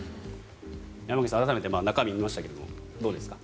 山口さん、改めて中身を見ましたがどうですか？